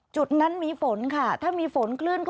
จุดนั้นมีฝนค่ะถ้ามีฝนคลื่นก็